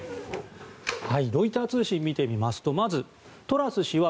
ロイター通信を見てみますとまず、トラス氏は